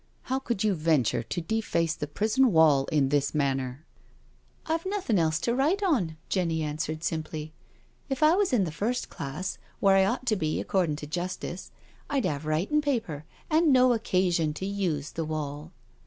How could you venture to deface the prison wall in that manner?" " I've nothing else to write on/' Jenny answered simply. '* If I was in the first class, where I ought to be accordin' to justice, I'd have writing paper and no occasion to use the wall."